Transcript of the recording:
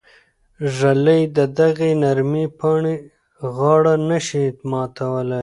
ږلۍ د دغې نرمې پاڼې غاړه نه شي ماتولی.